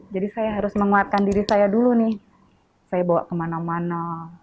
jadi saya harus menguatkan diri saya dulu nih saya bawa kemana mana